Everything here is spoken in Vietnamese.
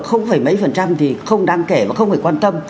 không phải mấy phần trăm thì không đáng kể và không phải quan tâm